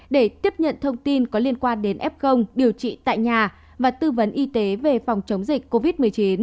để tiếp nhận thông tin có liên quan đến f điều trị tại nhà và tư vấn y tế về phòng chống dịch covid một mươi chín